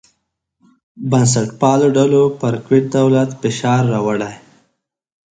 بنسټپالو ډلو پر کویت دولت فشار راوړی.